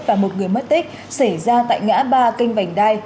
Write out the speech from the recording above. và một người mất tích xảy ra tại ngã ba kênh vành đai